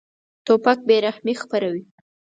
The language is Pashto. توپک بېرحمي خپروي.